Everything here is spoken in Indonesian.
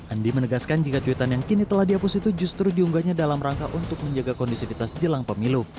andi menegaskan jika cuitan yang kini telah dihapus itu justru diunggahnya dalam rangka untuk menjaga kondisivitas jelang pemilu